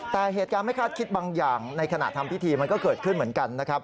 แต่เหตุการณ์ไม่คาดคิดบางอย่างในขณะทำพิธีมันก็เกิดขึ้นเหมือนกันนะครับ